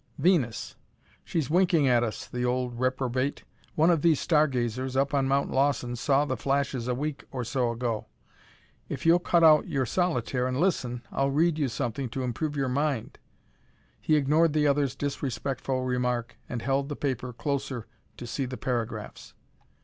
"Venus. She's winking at us, the old reprobate. One of these star gazers up on Mount Lawson saw the flashes a week or so ago. If you'll cut out your solitaire and listen, I'll read you something to improve your mind." He ignored the other's disrespectful remark and held the paper closer to see the paragraphs.